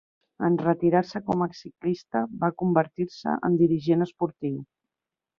En retirar-se com a ciclista va convertir-se en dirigent esportiu.